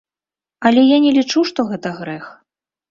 Але я не лічу, што гэта грэх.